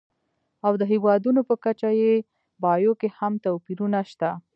او د هېوادونو په کچه یې بیو کې هم توپیرونه شته.